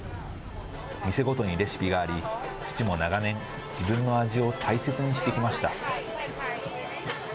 店ごとにレシピがあり、父も長年、自分の味を大切にしてきました。